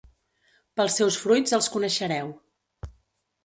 Pels seus fruits els coneixereu.